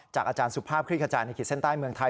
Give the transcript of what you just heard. อาจารย์สุภาพคลิกขจายในขีดเส้นใต้เมืองไทย